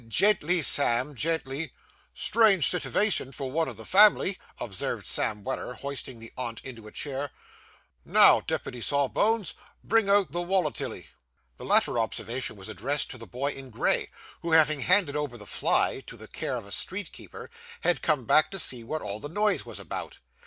Gently Sam, gently.' 'Strange sitivation for one o' the family,' observed Sam Weller, hoisting the aunt into a chair. 'Now depitty sawbones, bring out the wollatilly!' The latter observation was addressed to the boy in gray, who, having handed over the fly to the care of the street keeper, had come back to see what all the noise was about.